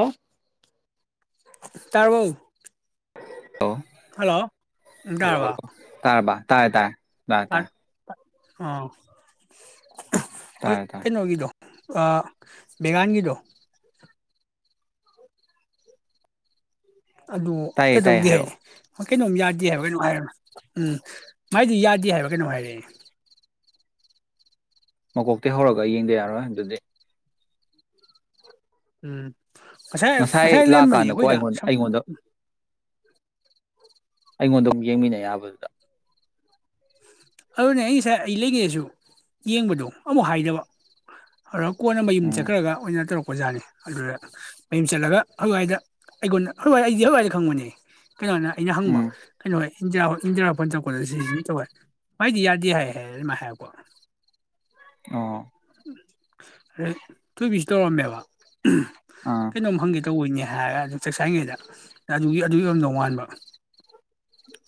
ꯏꯝ ꯇꯔꯕꯔꯣ ꯑ ꯍꯜꯂꯣ ꯑ ꯇꯔꯕꯔꯥ ꯇꯥꯔꯤ ꯇꯥꯔꯤ ꯍꯥꯥ ꯑꯎ ꯍꯣꯏ ꯇꯥꯔꯦ ꯇꯥꯔꯦ ꯀꯩꯅꯣꯒꯤꯗꯣ ꯑ ꯕꯤꯒꯜ ꯒꯤꯗꯣ ꯑꯗꯨ ꯇꯥꯏꯌꯦ ꯇꯥꯏꯌꯦ ꯀꯩꯗꯧꯗꯦ ꯍꯥꯏꯅꯦ ꯍꯥꯏꯔꯛꯑꯣ ꯍꯣꯏ ꯀꯩꯅꯣꯝ ꯌꯥꯗꯦ ꯍꯥꯏꯕꯅꯦ ꯀꯩꯅꯣ ꯍꯥꯏꯕꯅꯦ ꯑꯝ ꯃꯥꯏꯗꯤ ꯌꯥꯗꯦ ꯍꯥꯏꯕ ꯀꯩꯅꯣꯝ ꯍꯥꯏꯔꯛꯑꯦ ꯃꯀꯣꯛꯇꯤꯒꯤ ꯍꯧꯔꯒ ꯌꯦꯡꯗ ꯌꯥꯔꯣꯏ ꯑꯗꯨꯗꯤ ꯑꯝ ꯉꯁꯥꯏ ꯂꯥꯛꯀꯥꯟꯗꯀꯣ ꯑꯩꯉꯣꯟꯗ ꯁꯨꯝ ꯑꯩꯉꯣꯟꯗ ꯑꯩꯉꯣꯟꯗ ꯑꯃꯨ ꯌꯦꯡꯃꯤꯟꯅꯕ ꯌꯥꯕꯗꯨꯗ ꯑꯗꯨꯅꯦ ꯑꯩ ꯉꯁꯥꯏ ꯑꯩ ꯂꯩꯒꯦꯁꯨ ꯌꯦꯡꯕꯗꯣ ꯑꯃꯨꯛ ꯍꯥꯏꯗꯕ ꯑꯗꯣ ꯀꯣꯟꯅ ꯃꯌꯨꯝ ꯎꯝ ꯆꯠꯈ꯭ꯔꯒ ꯑꯣꯏꯅ ꯇꯧꯔꯛ ꯑꯣꯖꯥꯅꯤ ꯑꯗꯨꯗ ꯃꯌꯨꯝ ꯆꯠꯂꯒ ꯍꯋꯥꯏꯗ ꯑꯩꯉꯣꯟꯕ ꯍꯋꯥꯏ ꯑꯩꯗꯤ ꯍꯋꯥꯏꯗ ꯈꯪꯕꯅꯦ ꯀꯩꯅꯣꯅ ꯑꯩꯅ ꯍꯪꯕ ꯎꯝ ꯀꯩꯅꯣꯅꯦ ꯏꯟꯗꯤꯌꯥ ꯏꯟꯗꯤꯌꯥ ꯆꯄꯗ ꯁꯤꯖ ꯑꯇꯧꯋꯦ ꯃꯥꯏꯗ ꯌꯥꯔꯗꯤ ꯍꯥꯏ ꯍꯥꯏ ꯑꯗꯨ ꯃꯥ ꯍꯥꯏꯄ ꯑꯣꯏ ꯑꯦ ꯇꯣꯏꯕꯤꯁꯨ ꯇꯧꯔꯝꯃꯦꯕ ꯑꯥ ꯀꯩꯅꯣꯝ ꯍꯥꯪꯒꯦ ꯇꯧ ꯇꯣꯕꯩ ꯍꯥꯏꯔꯒ ꯑꯗꯨ ꯆꯥꯛꯁꯥꯏꯔꯤꯉꯩꯗ ꯑꯗꯨꯒꯤ ꯑꯗꯨꯒꯤ ꯑꯣꯏꯔꯝꯗꯧ ꯃꯥꯟꯕ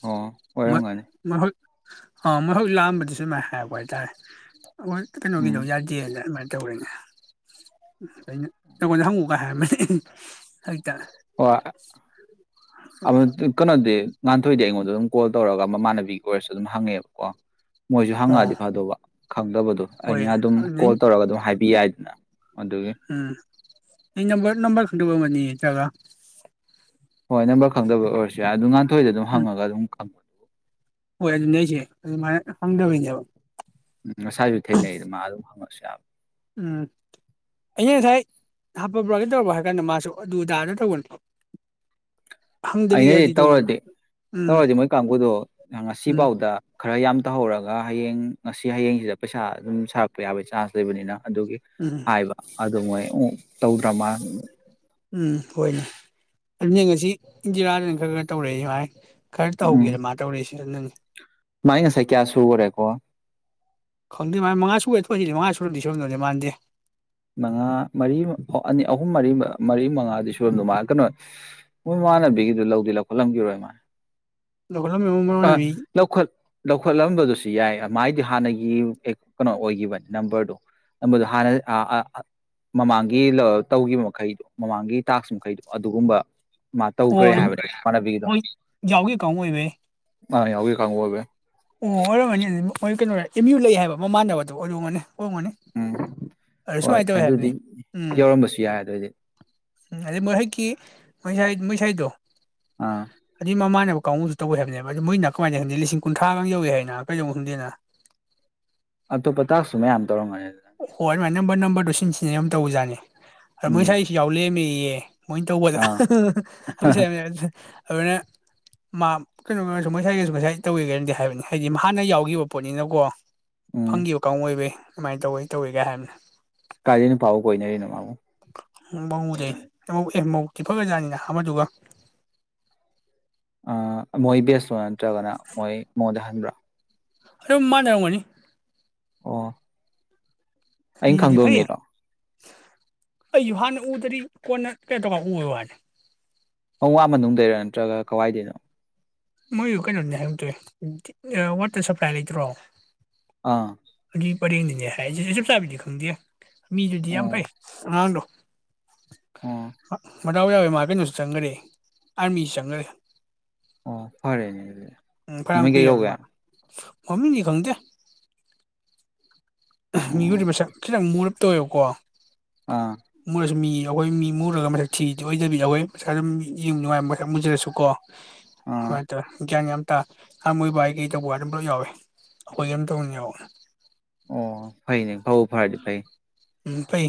ꯑꯣ ꯃꯠ ꯑꯣꯏꯔꯝꯒꯅꯤ ꯃ ꯍꯧ ꯑ ꯃꯣꯏꯍꯣꯏ ꯂꯥꯛꯑꯝꯕꯗꯨ ꯁꯨ ꯑꯃꯥꯏꯅ ꯍꯥꯏꯔꯛꯄ ꯍꯥꯏꯇꯥꯔꯦ ꯍꯣꯏ ꯎꯝ ꯀꯩꯅꯣꯒꯤꯗꯣ ꯌꯥꯗꯦꯅꯗ ꯑꯃꯥꯏ ꯇꯧꯔꯦꯅꯦ ꯥꯑꯩꯅ ꯅꯪꯉꯣꯟꯗ ꯍꯪꯉꯨ ꯍꯥꯏꯔꯝꯕꯅꯦ ꯍꯩ ꯑꯣ ꯑꯃꯥ ꯀꯩꯅꯣꯗꯤ ꯉꯥꯟꯊꯣꯏꯗꯤ ꯑꯩꯉꯣꯟ ꯑꯗꯨꯝ ꯀꯣꯜ ꯇꯧꯔꯒ ꯃꯃꯥꯟꯅꯕꯤꯒꯤ ꯑꯣꯏꯔꯁꯨ ꯑꯗꯨꯝ ꯍꯪꯉꯦꯕꯀꯣ ꯃꯣꯏꯁꯨ ꯑꯣ ꯍꯪꯉꯛꯑꯗꯤ ꯐꯗꯧꯕ ꯈꯪꯗꯕꯗꯣ ꯍꯣꯏ ꯑꯩꯅ ꯑꯗꯨꯝ ꯑꯗꯨ ꯅꯪ ꯀꯣꯜ ꯇꯧꯔꯒ ꯑꯗꯨꯝ ꯍꯥꯏꯕꯤ ꯌꯥꯏꯗꯅ ꯑꯗꯨꯒꯤ ꯎꯝ ꯑꯩ ꯅꯝꯕꯔ ꯅꯝꯕꯔ ꯈꯪꯗꯕꯩ ꯑꯣꯏꯔꯝꯅꯤ ꯅꯠꯇ꯭ꯔꯒꯥ ꯍꯣꯏ ꯅꯝꯕꯔ ꯈꯪꯗꯕ ꯑꯣꯏꯔꯁꯨ ꯌꯥꯏ ꯑꯗꯨ ꯉꯥꯛꯇ ꯊꯣꯏꯗ ꯑꯗꯨꯝ ꯎꯝ ꯍꯪꯉꯥꯒ ꯑꯗꯨꯝ ꯈꯪ ꯍꯣꯏ ꯑꯗꯨ ꯅꯁꯦ ꯑꯗꯨ ꯃꯥ ꯍꯪꯗꯕꯩꯅꯦꯕꯥ ꯎꯝ ꯉꯁꯥꯏꯁꯨ ꯊꯦꯡꯅꯩꯑꯗꯨ ꯃꯥ ꯑꯗꯨꯝꯍꯪꯉꯛ ꯆꯞ ꯎꯝ ꯑꯩꯅ ꯉꯁꯥꯏ ꯍꯞꯄ꯭ꯔꯥꯕ ꯀꯩꯇꯧꯔꯕ ꯍꯥꯏꯕ ꯀꯥꯟꯗ ꯃꯥꯁꯨ ꯑꯗꯨꯗꯥꯗ ꯇꯧꯕꯅꯤ ꯑꯩꯅꯗꯤ ꯍꯪꯗꯔꯤꯒꯗꯤ ꯇꯧꯕꯅꯤ ꯇꯧꯔꯗꯤ ꯎꯝ ꯇꯧꯔꯗꯤ ꯃꯣꯏ ꯀꯥꯡꯕꯨꯗꯣ ꯎꯝ ꯉꯁꯤꯐꯥꯎꯗ ꯈꯔ ꯌꯥꯝ ꯇꯧꯍꯧꯔꯒ ꯍꯌꯦꯡ ꯉꯁꯤ ꯍꯌꯦꯡꯁꯤꯗ ꯄꯩꯁꯥ ꯑꯗꯨꯝ ꯁꯥꯔꯛꯄ ꯌꯥꯕꯒꯤ ꯆꯥꯟꯁ ꯂꯩꯕꯅꯤꯅ ꯑꯗꯨꯒꯤ ꯎꯝ ꯍꯥꯏꯕ ꯑꯗꯨ ꯃꯣꯏ ꯇꯧꯗ꯭ꯔꯃ ꯎꯝ ꯍꯣꯏꯅꯦ ꯑꯗꯨꯅꯦ ꯉꯁꯤ ꯏꯟꯖꯤꯔꯥꯗꯅ ꯈꯔ ꯈꯔ ꯇꯧꯔꯛꯏ ꯃꯥꯏ ꯀꯔꯤ ꯇꯧ ꯍꯧꯒꯦꯔꯦ ꯃꯥꯥ ꯇꯧꯔꯤꯁꯤ ꯅꯅꯤ ꯃꯥꯥꯏ ꯉꯁꯥꯏ ꯀꯌꯥ ꯁꯨꯒꯔꯦꯀꯣ ꯈꯪꯗꯦ ꯃꯥꯥꯏ ꯃꯉꯥ ꯁꯨꯔꯦ ꯊꯣꯛꯍꯥꯏꯖꯤꯜꯂꯤ ꯃꯉꯥ ꯁꯨꯔꯝ ꯁꯨꯔꯝꯗꯧꯗꯤ ꯃꯥꯟꯗꯦ ꯃꯉꯥ ꯃꯔꯤ ꯑꯅꯤ ꯑꯍꯨꯝ ꯃꯔꯤ ꯃꯔꯤ ꯃꯉꯥꯗꯤ ꯁꯣꯏꯕꯝꯗꯣ ꯃꯥ ꯀꯩꯅꯣ ꯃꯣꯏ ꯃꯃꯥꯟꯅꯕꯤꯒꯤꯗꯨ ꯂꯧꯗꯤ ꯂꯧꯈꯠꯂꯝꯒꯤꯔꯣꯏ ꯃꯥ ꯂꯧꯈꯠꯂꯝꯃꯤꯕ ꯃꯔꯣꯟ ꯑ ꯑꯃꯤ ꯂꯧꯈꯠ ꯂꯧꯈꯠꯂꯝꯕꯗꯨꯁꯨ ꯁꯤ ꯌꯥꯏ ꯃꯥꯏꯗꯣ ꯍꯥꯟꯅꯒꯤ ꯀꯩꯅꯣ ꯑꯣꯏꯈꯤꯕꯅꯤ ꯅꯝꯕꯔꯗꯣ ꯅꯝꯕꯔꯗꯣ ꯍꯥꯟꯅ ꯑ ꯑ ꯃꯃꯥꯡꯒꯤ ꯇꯧꯈꯤꯕ ꯃꯈꯩꯗꯣ ꯃꯃꯥꯡꯒꯤ ꯇꯥꯛꯁ ꯃꯈꯩꯗꯣ ꯑꯗꯨꯒꯨꯝꯕ ꯃꯥ ꯇꯧꯈ꯭ꯔꯦ ꯍꯣꯏ ꯍꯥꯏꯕꯅꯦꯕ ꯍꯣꯏ ꯌꯥꯎꯒꯤ ꯀꯥꯡ ꯕꯨ ꯑꯣꯏꯕꯩ ꯑ ꯌꯥꯎꯒꯤ ꯀꯥꯡꯕꯨ ꯑꯣꯏꯕꯩ꯫ ꯑꯣ ꯑꯣꯔꯝ ꯃꯅꯤ ꯃꯣꯏꯒꯤ ꯀꯩꯅꯣꯔꯥꯏ ꯑꯦꯝ ꯌꯨ ꯂꯩ ꯍꯥꯏꯕ ꯃꯃꯥꯟꯅꯕꯗꯨ ꯑꯣꯏꯔꯨꯝꯒꯅꯤ ꯍꯣꯡꯉꯅꯤ ꯎꯝ ꯑꯗꯨ ꯍꯣꯏ ꯁꯨꯃꯥꯏꯅ ꯇꯧꯋꯤ ꯑꯗꯨꯗꯤ ꯍꯥꯏꯕꯅꯤ ꯎꯝ ꯌꯧꯔꯝꯕꯁꯨ ꯌꯥꯏ ꯑꯗꯨꯑꯣꯏꯗꯤ ꯎꯝ ꯑꯗꯨꯍꯨꯛꯀꯤ ꯃꯩꯁꯥꯏ ꯃꯩꯁꯥꯏꯗꯣ ꯑꯥ ꯑꯗꯨ ꯃꯃꯥꯅ ꯀꯥꯡꯎꯁꯨ ꯇꯧꯋꯦ ꯍꯥꯏꯕꯅꯦꯕ ꯃꯣꯏꯅ ꯀꯃꯥꯏꯅ ꯂꯤꯁꯤꯡ ꯀꯨꯟ ꯈꯥ ꯉ ꯌꯧꯏꯤ ꯍꯥꯏꯅ ꯀꯩꯗꯧꯕ ꯈꯪꯗꯦꯅ ꯑꯇꯣꯄ ꯇꯥꯛꯁꯁꯨ ꯃꯌꯥꯝ ꯇꯧꯔꯝꯉꯅꯤ ꯑꯗꯨꯅꯅꯦ ꯁꯨꯃꯥꯏ ꯅꯝꯕꯔ ꯅꯝꯕꯔꯗꯣ ꯁꯤꯟꯁꯤꯅꯦ ꯑꯗꯨꯝ ꯇꯧꯖꯥꯠꯅꯤ ꯎꯝ ꯃꯣꯏꯁꯥꯏꯁꯨ ꯌꯥꯎ ꯂꯩꯃꯤ ꯌꯦ ꯃꯣꯏꯅ ꯇꯧꯕꯗ ꯑꯥ [unintelligible] ꯑꯗꯨꯅ ꯃꯥ ꯀꯩꯅꯣꯁꯨ ꯃꯣꯏꯁꯥꯏꯒꯁꯨ ꯉꯁꯥꯏ ꯇꯧꯋꯦꯒꯥꯏꯅꯁꯨ ꯍꯥꯏꯕꯅꯤ ꯍꯥꯏꯗꯤ ꯍꯥꯟꯅ ꯌꯥꯎꯈꯤꯕ ꯄꯣꯠꯅꯤꯅꯀꯣ ꯎꯝ ꯐꯪꯈꯤꯕ ꯀꯥꯡ ꯑꯣꯏꯕ ꯀꯃꯥꯏꯅ ꯇꯧꯋꯤ ꯇꯧꯋꯤꯒ ꯍꯥꯏꯕꯅꯤ ꯀꯥꯏꯗꯩ ꯅꯨꯄꯥ ꯑꯃꯨꯛ ꯀꯣꯏꯅꯔꯤꯅꯣ ꯃꯥꯃꯨꯛ [unintelligible] ꯑꯥ ꯃꯣꯏꯕꯦꯁ ꯅꯠꯇ꯭ꯔꯒꯅ ꯃꯣꯏ ꯃꯉꯣꯟꯗꯩ ꯍꯟꯕ꯭ꯔꯥ ꯑꯗꯨꯝ ꯃꯥꯅꯔꯝꯒꯅꯤ ꯑꯣ ꯑꯩꯅ ꯃꯤꯗꯨꯗꯤ ꯐꯩ ꯈꯪꯗꯧꯃꯤꯔꯣ ꯑꯩꯁꯨ ꯍꯥꯟꯅ ꯎꯗ꯭ꯔꯗꯤ ꯀꯣꯟꯅ ꯀꯩꯅꯣ ꯇꯧ ꯎꯕꯩ ꯍꯥꯏꯅꯤ ꯄꯪ ꯋꯥ ꯃꯅꯨꯡꯗꯩꯔ ꯅꯠꯇ꯭ꯔꯒ ꯀꯋꯥꯏꯗꯅꯣ ꯃꯣꯏ ꯀꯩꯅꯣꯅꯤ ꯍꯥꯏꯒꯦ ꯇꯧꯋꯦ ꯋꯥꯇꯔ ꯁꯄ꯭ꯂꯥꯏ ꯂꯩꯇ꯭ꯔꯣ ꯑꯥ ꯒꯤ ꯄꯔꯦꯡꯗꯅꯦ ꯍꯥꯏꯔꯤꯁꯤꯁꯨꯦ ꯆꯞ ꯆꯥꯕꯤꯗꯤ ꯈꯪꯗꯦ ꯃꯤꯗꯨꯗꯤ ꯌꯥꯝ ꯑꯣ ꯐꯩ ꯑꯉꯥꯡꯗꯣ ꯑꯣ ꯑ ꯃꯗꯥꯎ ꯌꯥꯎꯕ ꯃꯥ ꯀꯩꯅꯣꯁꯨ ꯆꯪꯒꯔꯦ ꯑꯥꯔꯃꯤꯁꯨ ꯆꯪꯒꯔꯦ ꯑꯣ ꯐꯔꯦꯅꯦ ꯑꯗꯨꯗꯤ ꯎꯝ ꯐꯔꯥꯝ ꯃꯃꯤꯡ ꯀꯩ ꯀꯨꯏꯔꯝꯅꯤ ꯀꯧꯒꯦ ꯃꯥ ꯃꯃꯤꯡꯗꯤ ꯈꯪꯗꯦ ꯑꯣ ꯃꯤꯑꯣꯏꯔꯤꯕ ꯃꯁꯛ ꯈꯤꯇꯪ ꯃꯨꯔꯞ ꯇꯣꯏꯀꯣ ꯑꯥ ꯃꯔꯁꯨꯃꯤ ꯑꯩꯈꯣꯏ ꯃꯤ ꯃꯨꯔꯒ ꯃꯁꯛ ꯊꯤꯗꯤ ꯑꯣꯏꯗꯕꯤ ꯑꯈꯣꯏ ꯃꯁꯥ ꯑꯗꯨꯝ ꯌꯦꯡ ꯅꯨꯡꯉꯥꯏꯕ ꯃꯁꯛ ꯃꯨꯖꯔꯁꯨ ꯀꯣ ꯑꯥ ꯍꯣꯏ ꯇꯣ ꯒ꯭ꯌꯥꯟ ꯌꯥꯝ ꯍ ꯃꯣꯏ ꯕꯥꯏꯒꯤ ꯇꯧꯕ ꯍꯥꯏ ꯑꯗꯨꯝ ꯌꯥꯎꯏꯤ ꯑꯩꯈꯣꯏ ꯑꯃꯇꯥ ꯑꯣꯏꯅ ꯌꯥꯎꯑꯦ ꯑꯣ ꯐꯩꯅꯦ ꯐꯥꯎ ꯐꯔꯗꯤꯐꯩ ꯎꯝ ꯐꯩ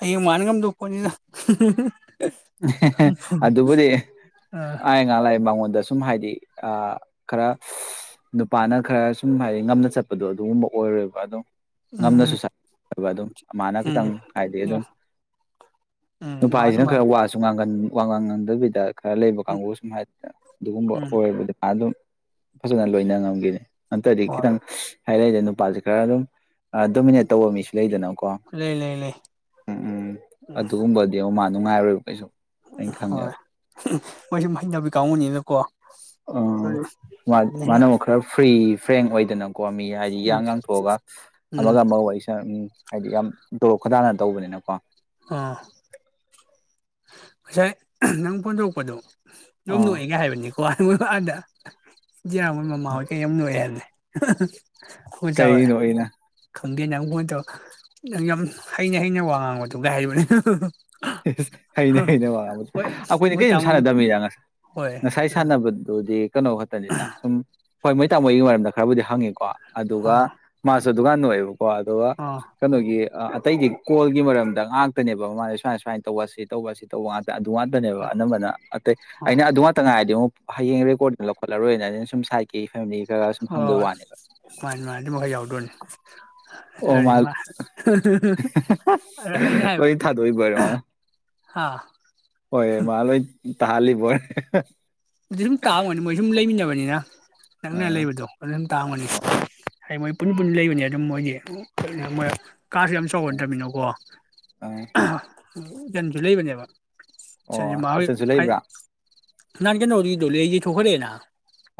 ꯍꯌꯦꯡ ꯃꯥꯅ ꯉꯝꯗꯧꯄꯣꯠꯅꯤꯅ ꯑꯗꯨꯕꯨꯗꯤ ꯑ ꯉꯂ ꯃꯉꯣꯟꯗꯁꯨ ꯁꯨꯝ ꯍꯥꯏꯗꯤ ꯈꯔ ꯅꯨꯄꯥꯅ ꯈꯔ ꯁꯨꯝ ꯍꯥꯏꯗꯤ ꯉꯝꯅ ꯆꯠꯄꯗꯣ ꯑꯗꯨꯒꯨꯝꯕ ꯑꯣꯏꯔꯣꯏꯕ ꯑꯗꯨꯝ ꯎꯝ ꯉꯝꯅꯁꯨ ꯑꯣꯏꯕ ꯑꯗꯨꯝ ꯃꯥꯅ ꯈꯤꯇꯪ ꯎꯝ ꯍꯥꯏꯗꯤ ꯎꯝ ꯑꯗꯨꯝ ꯎꯝ ꯃꯥ ꯅꯨꯄꯥꯁꯤꯅ ꯈꯔ ꯑꯗꯨꯃꯥꯏꯅ ꯋꯥ ꯋꯥꯥ ꯉꯥꯡꯗꯕꯤꯗ ꯈꯔ ꯂꯩꯕ ꯎꯝ ꯀꯥꯡꯕꯨ ꯁꯨꯝ ꯍꯥꯏ ꯑꯗꯨꯒꯨꯝꯕ ꯎꯝ ꯑꯣꯏꯕꯗꯤ ꯑꯗꯨꯝ ꯐꯖꯅ ꯂꯣꯏꯅ ꯉꯝꯒꯤꯅꯤ ꯑꯟꯇꯔ꯭ꯗꯤ ꯍꯣꯏ ꯈꯤꯇꯪ ꯍꯥꯏꯅꯩꯗ ꯅꯨꯄꯥꯁꯦ ꯈꯔ ꯑꯗꯨꯝ ꯗꯣꯃꯤꯅꯦꯠ ꯇꯧꯕ ꯃꯤꯁꯨ ꯂꯩꯗꯅꯀꯣ ꯂꯩ ꯂꯩ ꯂꯩ ꯎꯝ ꯎꯝ ꯎꯝ ꯑꯗꯨꯒꯨꯝꯕꯗꯤ ꯑꯃ ꯃꯥꯜ ꯅꯨꯡꯉꯥꯏꯔꯣꯏ ꯀꯩꯁꯨ ꯑꯩꯅ ꯈꯪꯉꯦꯕ ꯍꯣꯏ ꯃꯣꯏ ꯁꯨꯝ ꯍꯩꯅꯕꯤ ꯀꯥꯡꯕꯨꯅꯤꯅꯀꯣ ꯎꯝ ꯑ ꯃꯅ ꯑꯃꯨꯛ ꯈꯔꯥ ꯐ꯭ꯔꯤ ꯐ꯭ꯔꯦꯡ ꯑꯣꯏꯗꯅ ꯀꯣ ꯃꯤ ꯍꯥꯏꯗꯤ ꯏꯌꯥꯡ ꯌꯥꯥꯡꯊꯣꯛꯑꯒ ꯑꯃꯒ ꯎꯝ ꯑꯃꯒ ꯋꯥꯔꯤꯁꯟꯅ ꯎꯝ ꯍꯥꯏꯗꯤ ꯌꯥꯝ ꯇꯣꯔꯣꯛ ꯈꯣꯏꯗꯅ ꯇꯧꯕꯅꯤꯅꯀꯣ ꯑꯥ ꯉꯁꯥꯏ ꯅꯪ ꯐꯣꯟꯇꯧꯔꯛꯄꯗꯣ ꯌꯣꯝ ꯑꯥ ꯅꯣꯛꯑꯦꯒ ꯍꯥꯏꯕꯅꯤꯀꯣ ꯑꯗ ꯖꯤꯌꯥꯝ ꯍꯣꯏ ꯃꯃꯥ ꯍꯣꯏ ꯀꯩ ꯌꯥꯝ ꯅꯣꯛꯑꯦ ꯍꯥꯏꯕꯅꯦ ꯑ ꯍ ꯍ ꯄꯖꯋꯣꯏ ꯀꯩꯅꯣ ꯑꯩꯅ ꯈꯪꯗꯦ ꯅꯪ ꯐꯣꯟ ꯇꯧ ꯅꯪ ꯌꯥꯝ ꯍꯩꯅ ꯍꯩꯅ ꯋꯥ ꯉꯥꯡꯕꯗꯨ ꯀꯥꯏ ꯍꯥꯏꯕꯅꯦ ꯍꯩꯅꯦ ꯍꯣꯏ ꯍꯩꯅꯦ ꯑꯩꯈꯣꯏꯅ ꯃꯣꯏ ꯀꯔꯤꯝ ꯇꯥꯃꯣꯒꯤ ꯁꯥꯟꯅꯗꯕꯃꯤꯗ ꯉꯁꯥꯏ ꯍꯣꯏ ꯉꯁꯥꯏ ꯁꯥꯟꯅꯕꯗꯨꯗꯤ ꯀꯩꯅꯣ ꯈꯛꯇꯁꯤꯗ ꯁꯨꯝ ꯍꯣꯏ ꯃꯣꯏ ꯇꯥ ꯃꯣꯏꯒꯤ ꯃꯔꯝꯗ ꯈꯔꯕꯨꯗꯤ ꯍꯪꯉꯤꯀꯣ ꯑꯗꯨꯒ ꯑꯥ ꯃꯥ [unintelligible] ꯀꯣ ꯑꯗꯨꯒ ꯑꯥ ꯀꯩꯅꯣꯒꯤ ꯑꯇꯩꯗꯤ ꯀꯣꯜꯒꯤ ꯃꯔꯝꯗ ꯉꯥꯛꯇꯅꯦꯕ [unintelligible] ꯁꯨꯃꯥꯏꯅ ꯇꯧꯕꯁꯤ ꯇꯧꯕꯁꯤ ꯇꯧꯕ ꯑꯗꯨ ꯉꯥꯛꯇꯅꯦꯕ ꯑꯥ ꯑꯅꯝꯕꯅ ꯑꯇꯩ ꯑꯥ ꯑꯩꯅ ꯑꯗꯨ ꯉꯥꯛꯇ ꯉꯥꯏꯔꯗꯤ ꯑꯃꯨꯛ ꯍꯌꯦꯡ ꯔꯦꯀꯣꯔꯗꯗꯨꯅ ꯂꯧꯈꯠꯂꯔꯣꯏꯅ ꯑꯩꯅ ꯁꯨꯝ ꯁꯥꯏꯀꯦ ꯐꯦꯃꯤꯂꯤ ꯈꯔ ꯁꯨꯝ ꯍꯪꯕꯩ ꯍꯣꯏ ꯋꯥꯅꯦꯕ ꯃꯥꯅꯤ ꯃꯥꯅꯤ ꯑꯆꯨꯝꯕ ꯈ ꯌꯥꯎ [unintelligible] ꯑꯣ ꯃꯥ ꯑꯩꯅ ꯍꯥꯏꯕ ꯂꯣꯏ ꯊꯥꯗꯣꯛꯏꯕꯣꯔꯦ ꯃꯥ ꯍꯥ ꯍꯣꯏ ꯃꯥ ꯂꯣꯏ ꯇꯥꯜꯂꯤꯕꯣꯏ ꯑꯗꯨ ꯁꯨꯝ ꯇꯥꯡꯕꯅꯤ ꯃꯣꯏ ꯁꯨꯝ ꯂꯩꯃꯤꯟꯅꯕꯅꯤꯅ ꯅꯪꯅꯦ ꯑꯥ ꯂꯩꯕꯗꯣ ꯑꯗꯨ ꯇꯥꯝꯒꯅꯤ ꯍꯣꯏ ꯍꯥꯏꯃꯩ ꯄꯨꯟ ꯄꯨꯟ ꯂꯩꯕꯅꯤ ꯑꯗꯨꯝ ꯃꯣꯏꯗꯤ ꯃꯣꯏ ꯀꯥꯁꯨ ꯌꯥꯝ ꯑꯥ ꯆꯥꯎꯒꯟꯗꯃꯤꯅꯀꯣ ꯑꯥ ꯌꯥꯝꯖꯟꯖꯨ ꯂꯩꯕꯅꯦꯕ ꯑꯣ ꯏꯆꯟꯁꯨ ꯂꯩꯕ꯭ꯔꯥ [unintelligible] ꯅꯪ ꯀꯩꯅꯣ ꯑꯗꯨꯗꯣ ꯂꯩꯌꯦ ꯊꯣꯛꯈꯜꯂꯦꯅ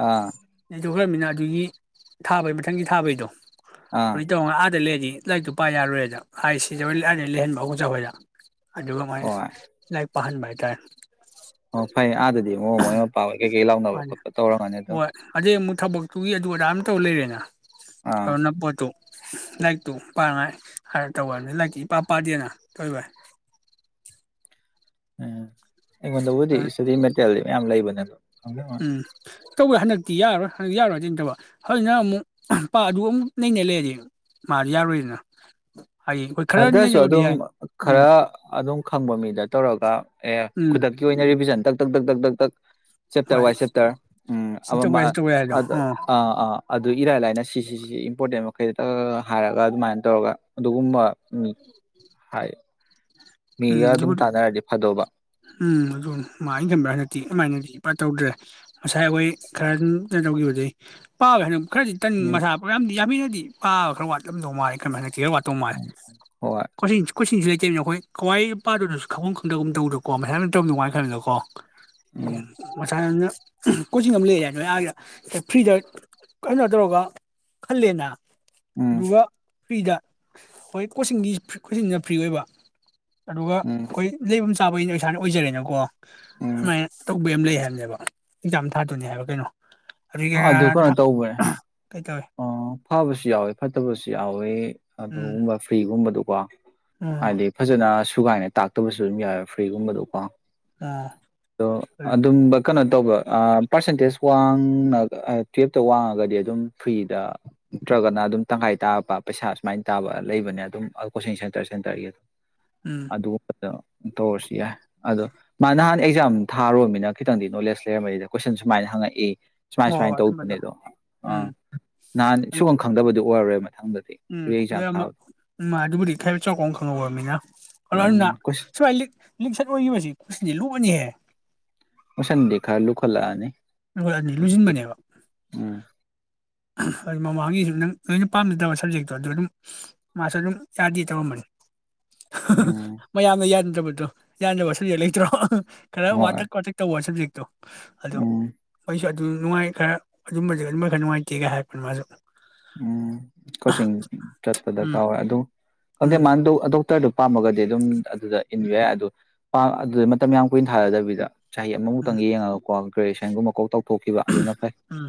ꯑꯥ ꯂꯣꯏꯃꯤꯅ ꯑꯗꯨꯒꯤ ꯊꯥꯕꯩ ꯃꯊꯪꯒꯤ ꯊꯥꯕꯩꯗꯣ ꯑꯥ ꯇ ꯑꯥꯗ ꯂꯩꯗꯤ ꯂꯥꯏꯔꯤꯛꯇꯨ ꯄꯥꯏ ꯌꯥꯔꯣꯏꯗ ꯍꯥꯏ ꯁꯤꯖꯧ ꯑꯥꯗ ꯂꯩꯍꯟꯕ ꯑꯕꯣꯛꯆꯥ ꯍꯣꯏꯗ ꯑꯗꯨꯒ ꯍꯣꯏ ꯑꯃꯥꯏꯅ ꯄꯍꯟꯕ ꯍꯥꯏ ꯇꯥꯔꯦ ꯑꯣ ꯐꯩ ꯑꯥꯗꯗꯤ ꯑꯣ [unintelligible] ꯌꯦ ꯂꯥꯎꯅꯕ ꯃꯥꯅꯤ ꯈꯣꯠꯄ ꯇꯧꯔꯝꯒꯅꯤ ꯗꯨꯝ ꯍꯣꯏ ꯑꯗꯩ ꯑꯃꯨꯛ ꯊꯕꯛꯇꯨꯒꯤ ꯑꯗꯨ ꯑꯗꯥ ꯑꯝ ꯇꯧ ꯂꯩꯔꯦꯅ ꯑ ꯑꯥ ꯅꯛꯄꯗꯨ ꯂꯥꯏꯔꯤꯛꯇꯨ ꯄꯥꯉꯥꯏ ꯍꯥꯏꯔ ꯇꯧꯕ ꯑꯗ ꯂꯥꯏꯔꯤꯛꯇꯤ ꯏꯄꯥ ꯄꯥꯗꯦꯅ ꯎꯝ ꯑꯩꯉꯣꯟꯗ ꯕꯨꯗꯤ ꯁ꯭ꯇꯗꯤ ꯃꯦꯠꯇꯦꯜꯗꯤ ꯃꯌꯥꯝ ꯂꯩꯕꯅꯦ ꯑꯗꯣ ꯈꯪꯗꯦ ꯎꯝ ꯇꯧꯒ ꯍꯟꯗꯛꯇꯤ ꯌꯥꯔꯣꯏ ꯍ ꯗꯤꯅꯇꯕ ꯍꯣꯏꯅꯑꯃꯨꯛ ꯑꯗꯨ ꯑꯃꯨꯛ ꯅꯩꯅ ꯂꯩꯔꯗꯤ ꯃꯥꯗꯤ ꯌꯥꯔꯣꯏꯅ ꯍꯟꯗꯥꯁꯨ ꯑꯗꯨꯝ ꯈꯔ ꯑꯗꯨꯝ ꯈꯪꯕ ꯃꯤꯗ ꯇꯧꯔꯒ ꯑꯦ ꯎꯝ ꯈꯨꯗꯛꯀꯤ ꯑꯣꯏꯅ ꯔꯤꯚꯤꯖꯟ ꯗꯛ ꯙꯛ ꯙꯛ ꯙꯛ ꯙꯛ ꯙꯛ ꯆꯦꯞꯇꯔ ꯍꯣꯏ ꯋꯥꯏ ꯆꯦꯞꯇꯔ ꯎꯝ ꯁꯤ ꯑꯥꯃ ꯇꯧꯕ ꯃ ꯌꯥꯏ ꯑꯥ ꯁꯤ ꯇꯧꯕ ꯌꯥꯏꯗꯣ ꯑꯗꯥ ꯑꯣ ꯑꯥ ꯑꯥ ꯑꯗꯨ ꯏꯔꯥꯏ ꯂꯥꯏꯅ ꯁꯤꯁꯤ ꯁꯤꯁꯤ ꯏꯝꯄꯣꯔꯇꯦꯟ ꯃꯈꯩꯗ ꯗꯗ ꯍꯥꯏꯔꯒ ꯑꯗꯨꯃꯥꯏ ꯇꯧꯔꯒ ꯑꯗꯨꯒꯨꯝꯕ ꯎꯝ ꯍꯥꯏ ꯎꯝ ꯃꯤꯒ ꯑꯗꯨꯝ ꯑꯗꯨꯕꯨꯗꯤ ꯇꯥꯟꯅꯔꯗꯤ ꯐꯗꯧꯕ ꯎꯝ ꯑꯗꯨ ꯃꯥ ꯑꯩꯅ ꯈꯟꯕꯗ ꯍꯟꯗꯛꯇꯤ ꯑꯗꯨꯃꯥꯏꯅꯗꯤ ꯇꯧꯗ꯭ꯔꯦ ꯉꯁꯥꯏ ꯑꯩꯈꯣꯏ ꯈꯔ ꯀꯩꯟ ꯇꯧꯒꯤꯕꯗꯩ ꯄꯥꯕ ꯍꯟꯗ ꯈꯔꯗꯤ ꯇꯟ ꯃꯤ ꯃꯁꯥ ꯄ ꯌꯥꯝꯗꯤ ꯌꯥꯝꯃꯤꯏ ꯗꯤ ꯄꯥꯕ ꯈꯔ ꯋꯥꯠꯂꯝꯗꯧ ꯃꯥꯥꯏ ꯑꯩ ꯈꯟꯕꯗ ꯇꯤ ꯈꯔ ꯋꯥꯠ ꯇꯣꯥꯏ ꯄꯥꯜ ꯍꯣꯏ ꯀꯁꯤꯡ ꯁ ꯀꯣꯆꯤꯡꯁꯨ ꯂꯩ ꯇꯩꯏꯃꯤꯅ ꯑꯈꯣꯏ ꯀꯋꯥꯏ ꯄꯥꯗꯨꯗꯁꯨ ꯈꯪꯕꯝ ꯈꯪꯗꯒꯨꯝꯇꯧꯕꯗꯀꯣ ꯃꯁꯥꯅ ꯇꯧꯔꯝꯗꯧ ꯃꯈꯜꯗꯨꯀꯣ ꯎꯝ ꯃꯆꯥꯅꯅ ꯀꯣꯆꯤꯡ ꯑꯃ ꯂꯩꯏ ꯑ ꯅꯣꯏ ꯑꯏꯗ ꯐ꯭ꯔꯤꯗ ꯀꯩꯅꯣ ꯇꯧꯔꯒ ꯈꯜꯂꯦꯅ ꯎꯝ ꯑꯗꯨꯒ ꯐ꯭ꯔꯤꯗ ꯍꯣꯏ ꯀꯣꯆꯤꯡꯒꯤ ꯀꯣꯆꯤꯡꯅ ꯐ꯭ꯔꯤ ꯑꯣꯏꯕ ꯑꯗꯨꯒ ꯎꯝ ꯈꯣꯏ ꯂꯩꯕꯝ ꯆ ꯆꯥꯕꯩꯅ ꯏꯁꯥꯅ ꯑꯣꯏꯖꯔꯦꯅꯀꯣ ꯎꯝ ꯥꯑꯗꯄꯥꯏꯅ ꯇꯧꯕ ꯑꯝ ꯂꯩ ꯅꯦꯕ ꯑꯦꯛꯖꯥꯝ ꯊꯥꯗꯣꯅꯤ ꯍꯥꯕ ꯀꯩꯅꯣ ꯑꯗꯨꯒꯤ ꯑ ꯑꯗꯨ ꯀꯩꯅꯣ ꯇꯧꯕꯣꯏꯔꯦ ꯀꯩ ꯇꯧꯋꯦ ꯑꯣ ꯐꯥꯕꯁꯨ ꯌꯥꯎꯋꯦ ꯐꯠꯇꯕꯁꯨ ꯌꯥꯎꯋꯦ ꯑꯗꯣ ꯎꯝ ꯎꯕ ꯐ꯭ꯔꯤ ꯒꯨꯝꯕꯗꯨꯀꯣ ꯑꯣ ꯍꯥꯏꯗꯤ ꯐꯖꯅ ꯁꯨꯒꯥꯏꯅ ꯇꯥꯛꯇꯕꯁꯨ ꯑꯋꯨꯝ ꯌꯥꯎꯋꯦ ꯐ꯭ꯔꯤꯒꯨꯝꯕꯗꯣ ꯀꯣ ꯑꯣ ꯗꯣ ꯑꯗꯨꯝꯕꯀꯅ ꯇꯧꯕ ꯑ ꯄꯥꯔꯁꯦꯟꯇꯦꯖ ꯋꯥꯡꯅꯒ ꯑ ꯇꯨꯌꯦꯜꯞꯇ ꯋꯥꯡꯉꯒꯗꯤ ꯑꯗꯨꯝ ꯐ꯭ꯔꯤꯗ ꯅꯠꯇ꯭ꯔꯒꯅ ꯑꯗꯨꯝ ꯇꯪꯈꯥꯏ ꯇꯥꯞꯄ ꯄꯩꯁꯥ ꯁꯨꯃꯥꯏꯟ ꯇꯥꯕ ꯂꯩꯕꯅꯦ ꯑꯗꯨꯝ ꯀꯣꯆꯤꯡ ꯁꯦꯟꯇꯔ ꯁꯦꯟꯇꯔꯒꯤ ꯑ ꯎꯝ ꯑꯗꯨ ꯄꯇꯥ ꯇꯣꯁꯤ ꯌꯥ ꯑꯗꯣ ꯃꯥ ꯅꯍꯥꯟ ꯑꯦꯛꯖꯥꯝ ꯊꯥꯔꯔꯕꯕꯅ ꯇꯪꯗꯤ ꯅꯣꯂꯦꯖ ꯂꯩꯔꯝꯃꯤꯅꯤꯗ ꯀꯣꯏꯁꯟ ꯁꯃꯥꯏꯅ ꯍꯪꯉꯛꯏ ꯁꯃꯥꯏ ꯍꯣꯏ ꯁꯃꯥꯏ ꯍꯣꯏ ꯑꯗꯨꯝꯕꯗꯣ ꯇꯧꯅꯦꯗ ꯑ ꯎꯝ ꯅꯍꯥꯟ ꯁꯨꯒꯨꯝ ꯈꯪꯗꯕꯗꯨ ꯑꯣꯏꯔꯥ ꯔꯣꯏ ꯎꯝ ꯎ ꯑꯗꯨꯕꯨꯗꯤ ꯈꯥꯏꯕ ꯆꯥꯎꯀꯥꯎ ꯈꯪꯍꯧꯃꯤꯅꯜꯣ ꯑꯗꯨꯅ ꯎꯝ ꯀꯣꯏꯁꯟ ꯁꯨꯃꯥꯏ ꯂꯤꯛ ꯂꯤꯛ ꯁꯠ ꯑꯣꯏꯈꯤꯕꯁꯤ ꯀꯠꯁꯤꯗꯤ ꯂꯣꯛꯑꯅꯤꯍꯦ ꯑꯣꯁꯥꯟꯗꯤ ꯈꯔꯥ ꯂꯨꯈꯠꯂꯛꯅꯤ ꯂꯅꯤ ꯂꯣꯏꯁꯤꯟꯕꯅꯦꯕ ꯎꯝ ꯑꯗꯨ ꯃꯃꯥꯡꯒꯤꯁꯨ ꯅꯪ ꯅꯣꯏꯅ ꯄꯥꯝꯖꯗꯕ ꯁꯕꯖꯦꯛꯇꯣ ꯑꯗꯨꯗ ꯑꯗꯨꯝ ꯃꯥꯁꯨ ꯑꯗꯨꯝ ꯌꯥꯗꯦ ꯇꯧꯔꯝꯕꯅꯤ ꯎꯝ ꯃꯌꯥꯝꯅ ꯌꯥꯟ ꯑꯗꯨꯗꯣ ꯌꯥꯗꯅꯕꯕ ꯁꯖꯦꯛ ꯂꯩꯇ꯭ꯔꯣ ꯈꯔ ꯍꯣꯏ ꯋꯥꯊꯛ ꯋꯥꯊꯛ ꯇꯧꯕ ꯁꯖꯤ [inaudible] ꯑꯗꯣ ꯎꯝ ꯑꯗꯨ ꯅꯨꯡꯉꯥꯏ ꯈꯔ ꯑꯗꯨꯝꯕ ꯃ ꯈꯔ ꯅꯨꯡꯉꯥꯏꯇꯦ ꯀꯤꯒ ꯍꯥꯏꯄ ꯃꯥꯖꯨ ꯎꯝ ꯀꯣꯆꯤꯡ ꯆꯠꯄ ꯎꯝ ꯗꯔꯀꯥꯔꯋꯦ ꯑꯗꯨ ꯈꯪꯗꯦ ꯎꯝ ꯃꯥ ꯗꯣꯛꯇꯔꯗꯨ ꯄꯥꯝꯃꯒꯗꯤ ꯑꯗꯨꯝ ꯑꯗꯨꯗ ꯏꯟꯕ ꯌꯥꯏ ꯑꯗꯨ ꯑꯗꯨꯗ ꯃꯇꯝ ꯌꯥꯝ ꯀꯨꯏꯅ ꯊꯥꯔꯗꯕꯤꯗ ꯆꯍꯤ ꯎꯝ ꯑꯃꯃꯨꯛꯇꯪ ꯌꯦꯡꯉꯒꯀꯣ ꯀꯦ ꯁꯒꯨꯝꯕꯀꯣꯛ ꯊꯣꯛꯈꯤꯕ ꯑꯗꯨꯅ ꯐꯩ ꯎꯝ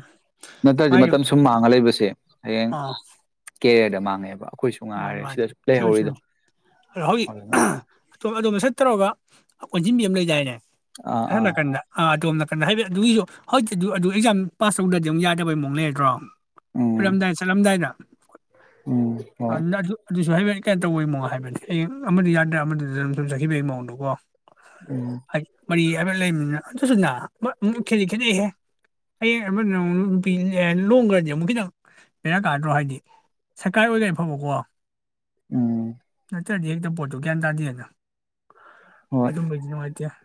ꯅꯠꯇ꯭ꯔꯗꯤ ꯃꯥꯏꯗꯤ ꯃꯇꯝ ꯁꯨꯝ ꯃꯥꯡꯉ ꯂꯩꯕꯁꯦ ꯍꯌꯦꯡ ꯑꯥ ꯀꯦꯔꯤꯌꯔꯗ ꯃꯥꯡꯉꯦꯕ ꯑꯩꯈꯣꯏꯁꯨ ꯃꯥꯅꯤ ꯉꯥꯏꯔꯦ ꯃꯥꯅꯤ ꯁꯤꯗꯁꯨ ꯂꯩꯍꯧꯔꯤꯗꯣ ꯀꯦꯃꯤꯁꯇ꯭ꯔꯤꯅꯤ ꯑꯗꯨꯅ ꯑꯣꯝ ꯃ ꯁꯠ ꯇꯧꯔꯒ ꯀꯣꯟꯁꯤꯟꯕꯤ ꯑꯃ ꯂꯩꯗꯥꯏꯅꯦ ꯑꯥ ꯑꯁꯣꯟ ꯑꯥ ꯅꯥꯀꯟꯗ ꯑ ꯑꯗꯣꯝ ꯣ ꯍꯥꯏ ꯑꯗꯨꯒꯤꯁꯨ ꯍꯧꯖꯤꯛꯇꯤ ꯑꯗꯨ ꯑꯗꯨ ꯑꯦꯛꯖꯥꯝ ꯄꯥꯁ ꯇꯧꯗ꯭ꯔꯗꯤ ꯑꯃꯨꯛ ꯌꯥꯗꯕꯩ ꯃꯑꯣꯛ ꯂꯩꯔꯗ꯭ꯔꯣ ꯎꯝ ꯈꯨꯂꯝꯗꯥꯏ ꯆꯠꯂꯝꯗꯥꯏꯗ ꯎꯝ ꯑ ꯍꯣꯏ ꯑꯗꯨꯁꯨ ꯍꯥꯏꯒꯦꯠ ꯀꯩꯅ ꯇꯧꯕꯒꯤ ꯃꯑꯣꯡ ꯍꯥꯏꯕꯅꯦ ꯑꯩ ꯑꯃꯗ ꯌꯥꯗ꯭ꯔꯥ ꯑꯃꯗꯨꯗ ꯑꯗꯨ ꯁꯨꯝ ꯆꯠꯈꯤꯕꯒꯤ ꯃꯑꯣꯡꯗꯀꯣ ꯎꯝ ꯍꯥꯏꯦ ꯃꯔꯤ [unintelligible] ꯂꯩꯕꯅꯤꯅ ꯑꯗꯨꯁꯨꯅ ꯑꯃꯨꯛ ꯈꯦꯠꯇꯤ ꯈꯦꯠꯅꯩꯍꯦ ꯍꯌꯦꯡ ꯑꯃꯗꯨꯅ ꯑꯃꯨꯛ ꯅꯨꯄꯤ ꯂꯣꯡꯈ꯭ꯔꯗꯤ ꯑꯃꯨꯛ ꯈꯤꯇꯪ ꯕꯦꯔꯥ ꯀꯥꯗ꯭ꯔꫭ ꯍꯥꯏꯗꯤ ꯁꫪꯀꯥ [unintelligible] ꯐꯝꯃꯨꯀꫭ꯫ ꯎꯝ꯫ [unintelligible] ꯄꯣꯠꯇꯨꯒ꯭ꯌꯥꯟ ꯇꯥꯗꯦꯗ꯫ ꯍꯣꯏ ꯑꯗꯨꯝꯕꯩꯗꯤ ꯅꯨꯡꯉꯥꯏꯇꯦ꯫ [inaudible]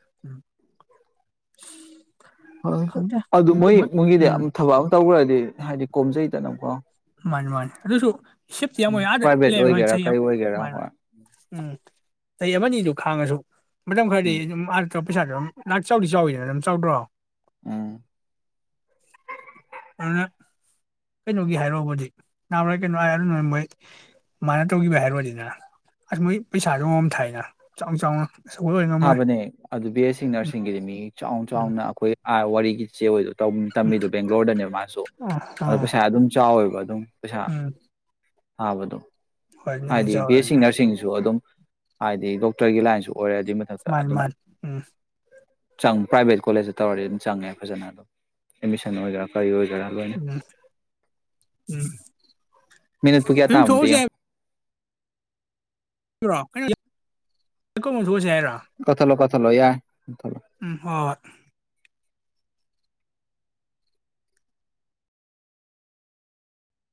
ꯍꯣꯏ ꯈꯪꯗꯦ ꯑꯗꯨ ꯃꯣꯏ ꯃꯣꯏꯒꯤꯗꯤ ꯊꯕꯛ ꯑꯃ ꯇꯧꯈꯔ ꯍꯥꯏꯗꯤ ꯍꯥꯏꯗꯤ ꯀꯣꯝꯖꯩꯗꯅꯀꯣ꯫ ꯃꯟꯅꯤ ꯃꯟꯅꯤ ꯑꯗꯨꯁꯨ ꯁꯤꯞꯇꯤ ꯌꯥꯝ ꯑꯣꯏ ꯑꯥꯗ ꯄ꯭ꯔꯥꯏꯚꯦꯠ ꯂꯩꯕ ꯍꯣꯏ ꯑꯣꯏꯒꯦꯔꯥ ꯆꯍꯤ ꯀꯩ ꯑꯣꯏꯒꯦꯔꯥ ꯑꯃ ꯍꯣꯏ ꯎꯝ ꯆꯍꯤ ꯑꯃꯅꯤꯗꯨ ꯈꯥꯡꯉꯁꯨ ꯃꯇꯝ ꯈꯔꯗꯤ ꯎꯝ ꯑꯗꯨꯝ ꯑꯗ ꯄꯩꯁꯥꯁꯨ ꯑꯗꯨꯝ [unintelligible] ꯆꯥꯎꯗꯤ ꯆꯥꯎꯋꯤꯗꯅ ꯑꯗꯨꯝ ꯆꯥꯎꯗ꯭ꯔꯣ꯫ ꯎꯝ [unintelligible] ꯀꯩꯅꯣꯒꯤ ꯍꯥꯏꯔꯣꯒꯗꯤ [unintelligible] ꯃꯥꯅ ꯇꯧꯒꯤꯕꯩ ꯍꯥꯏꯔꯨꯔꯅꯤꯗꯅꯦ ꯑꯁ ꯃꯣꯏ ꯄꯩꯁꯥꯗ ꯑꯃ ꯊꯥꯏꯅ ꯆꯥꯎ ꯆꯥꯎꯅ ꯑꯆꯧꯕ ꯑꯣꯏ ꯉꯝꯃꯣꯏ ꯊꯥꯕꯅꯦ ꯑꯗꯨ ꯕꯤ ꯑꯦ ꯁꯤ ꯎꯝ ꯅꯔꯁꯤꯡꯒꯤꯗꯤ ꯃꯤ ꯆꯥꯎꯅ ꯎꯝ ꯆꯥꯎꯅ ꯑꯩꯈꯣꯏ ꯑꯥ ꯋꯥꯔꯤꯒꯤ [unintelligible] ꯇꯧ ꯇꯝꯃꯤꯗꯣ ꯕꯦꯡꯒ꯭ꯂꯣꫪꯗꯅꯦ ꯃꯥꯁꯨ ꯑꯣ ꯑꯗꯣ ꯑꯣ ꯄꯩꯁꯥ ꯑꯗꯨꯝ ꯆꯥꯎꯋꯦꯕ꯫ [inaudible] ꯎꯝ ꯊꯥꯕꯗꫭ꯫ ꯍꯣꯏ ꯅꯣꯏ ꯍꯥꯏꯗꯤ ꯕꯤ ꯑꯦ ꯆꯥꯎꯔꯅꯤ ꯁꯤ ꯅꫪꯁꯤꯡꯁꯨ ꯑꯗꯨꯝ꯫ ꯍꯥꯏꯗꯤꯦ ꯗꯣꯛꯇꫪꯒꯤ ꯂꯥꯏꯟꯁꯨ꯫ ꯑꯣꯏꯔꯦ ꯑꯗꯨꯏ ꯃꯥꯅꯤ ꯃꯥꯅꯤ ꯎꯝ꯫ ꯆꯪꯉꯤ ꯄ꯭ꯔꯥꯏꯚꯦꯠ ꯀꯣꯂꯦꯖꯇ ꯇꯧꯔꯗꯤ ꯑꯗꯨꯝ ꯆꯪꯉꯦ ꯐꯖꯅ ꯑꯗꯨꯝ ꯑꯦꯗꯃꯤꯁꯟ ꯑꫭꯒꯦꯔꯥ ꯀꯔꯤ ꯑꯣꯏꯒꯦꯔ꯫ [unintelligible] ꯂꫭꯏꯅ ꯎꯝ ꯎꯝ ꯃꯤꯅꯠꯄꯨ ꯀꯌꯥ ꯑꯗꯨꯝ ꯇꯥꯔꯃꫭ ꯑꯝꯇ ꯊꯣꯛꯎꯁꯦ ꯌꯦꯡꯉꯨ꯫ [unintelligible] ꯀꯊꯠꯂꫭ [unintelligible] [unintelligible] ꯌꯥꯔꯦ [unintelligible] ꯎꯝ ꯍꯣꯏ꯫